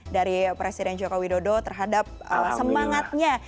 dari presiden jokowi dodo terhadap semangatnya